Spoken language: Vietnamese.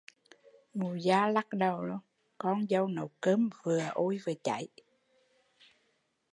Mụ gia lắc đầu, con dâu nấu cơm vừa ôi vừa cháy